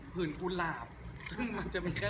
ผื่นกุหลาบมันจะไม่แค่